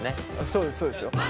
そうですそうですよ。